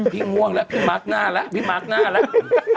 ง่วงแล้วพี่มาร์คหน้าแล้วพี่มาร์คหน้าแล้ว